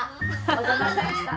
お邪魔しました。